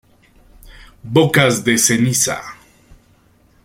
Bocas de Ceniza.